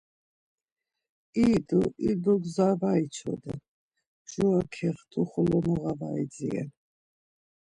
İdu idu gza var içoden, mjora kextu xolo noğa var idziren.